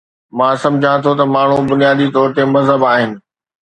مان سمجهان ٿو ته ماڻهو بنيادي طور تي مهذب آهن